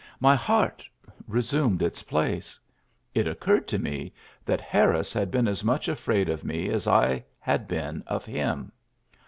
My heart resumed its place. It occurred to me that Harris had been as much afraid of me asl had been of him.